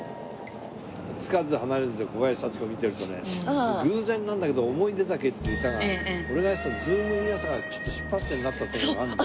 つかず離れずで小林幸子見てるとね偶然なんだけど『おもいで酒』っていう歌が俺がやってた『ズームイン！！朝！』が出発点になったっていうのがあるんだよ。